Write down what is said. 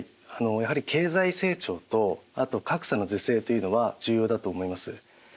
やはり経済成長と格差の是正というのは重要だと思います。